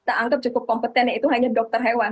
kita anggap cukup kompeten yaitu hanya dokter hewan